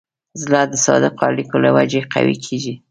زړه د صادقو اړیکو له وجې قوي کېږي.